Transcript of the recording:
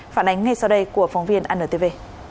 phản ánh ngay sau đây của phóng viên anntv